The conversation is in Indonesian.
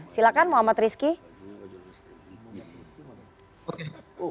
silahkan muhammad rizky